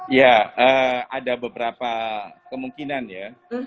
ya ada beberapa kemungkinan ya